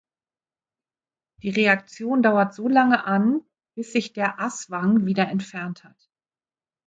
Die Reaktion dauert so lange an, bis sich der Aswang wieder entfernt hat.